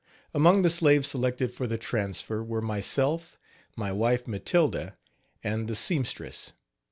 Among the slaves selected for the transfer were myself, my wife Matilda, and the seamstress.